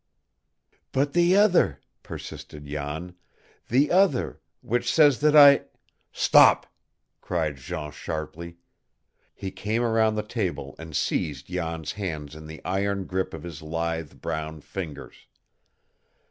"But the other," persisted Jan, "the other, which says that I " "Stop!" cried Jean sharply. He came around the table and seized Jan's hands in the iron grip of his lithe, brown fingers.